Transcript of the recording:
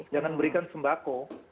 jangan memberikan sembako